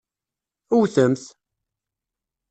Wwtemt!